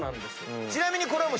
ちなみにこれは。